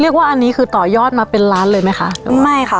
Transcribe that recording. ว่าอันนี้คือต่อยอดมาเป็นล้านเลยไหมคะไม่ค่ะ